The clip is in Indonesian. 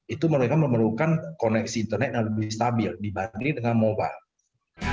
itu mereka memerlukan koneksi internet yang lebih stabil dibanding dengan mobile